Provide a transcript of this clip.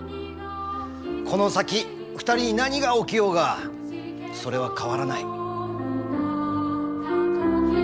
この先２人に何が起きようがそれは変わらない。